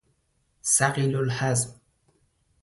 ثقیل الهضم